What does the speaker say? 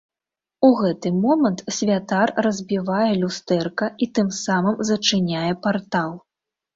У гэты момант святар разбівае люстэрка і тым самым зачыняе партал.